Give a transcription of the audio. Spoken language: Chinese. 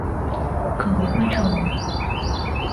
可为观赏鱼。